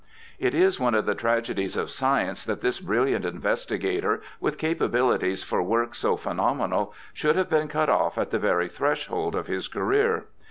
It is one of the tragedies of science that this brilliant investigator, with capabilities for work so phenomenal, should have been cut off at the very threshold of his career.